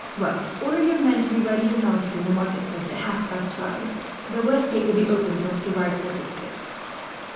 "Well, order your men to be ready and mounted, in the marketplace, at half past five. The west gate will be opened for us to ride forth at six."